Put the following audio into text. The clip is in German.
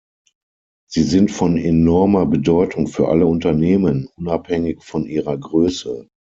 Sie sind von enormer Bedeutung für alle Unternehmen, unabhängig von ihrer Größe.